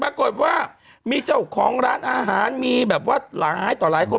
ปรากฏว่ามีเจ้าของร้านอาหารมีแบบว่าหลายต่อหลายคน